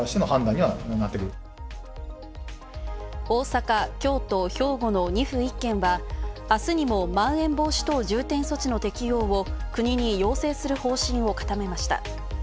大阪、京都、兵庫の２府１県はあすにも、まん延防止等重点措置の適用を国に要請する方針を固めました。